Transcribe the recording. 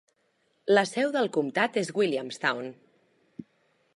La seu del comptat és Williamstown.